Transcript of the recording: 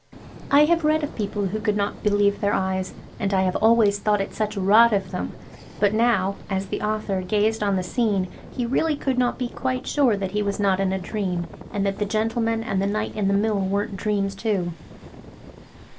I have read of people who could not believe their eyes; and I have always thought it such rot of them, but now, as the author gazed on the scene, he really could not be quite sure that he was not in a dream, and that the gentleman and the night in the Mill weren't dreams too.